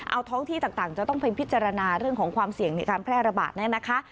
เอาท้องที่ต่างจะต้องไปพิจารณาเรื่องของความเสี่ยงในการแพร่ระบาดเนี่ยนะคะ